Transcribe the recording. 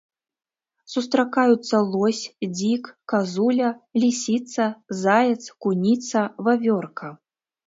Сустракаюцца лось, дзік, казуля, лісіца, заяц, куніца, вавёрка.